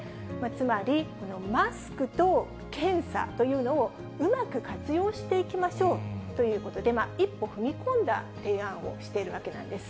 つまり、このマスクと検査というのを、うまく活用していきましょうということで、一歩踏み込んだ提案をしているわけなんです。